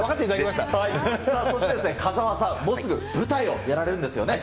さあ、そして風間さん、もうすぐ舞台をやられるんですよね。